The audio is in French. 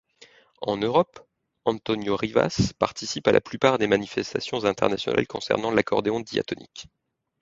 En Europe, Antonio Rivas participe à la plupart des manifestations internationales concernant l’accordéon diatonique.